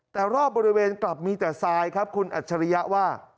แต่รอบบริเวณกลับมีแต่ทรายครับคุณอัจฉริยะว่า